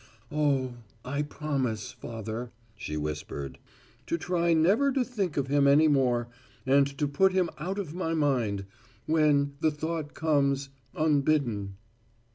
"Oh, I promise, Father," she whispered, "to try never to think of him any more, and to put him out of my mind when the thought comes unbidden."